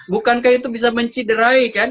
bukankah itu bisa menciderai kan